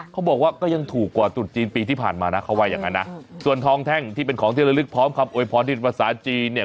เขาบอกว่าก็ยังถูกกว่าตุดจีนปีที่ผ่านมานะเขาว่าอย่างนั้นนะส่วนทองแท่งที่เป็นของเที่ยวละลึกพร้อมคำโวยพรที่ภาษาจีนเนี่ย